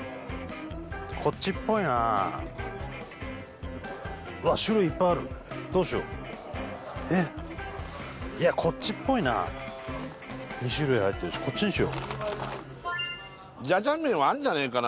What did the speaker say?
こっちっぽいなわっ種類いっぱいあるどうしようえっいやこっちっぽいな２種類入ってるしこっちにしようじゃじゃ麺はあるんじゃねえかな